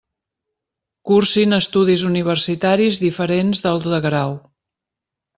Cursin estudis universitaris diferents dels de grau.